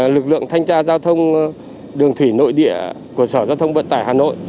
lực lượng thanh tra giao thông đường thủy nội địa của sở giao thông vận tải hà nội